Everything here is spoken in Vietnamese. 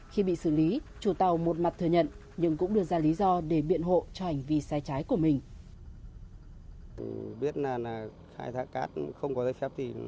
khi bị xử lý chủ tàu một mặt thừa nhận nhưng cũng đưa ra lý do để biện hộ cho hành vi sai trái của mình